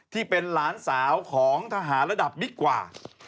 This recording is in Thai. ที่เป็นหลานสาวของทหารระดับบิ๊กกว่า